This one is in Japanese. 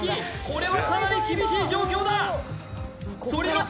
これはかなり厳しい状況だ反町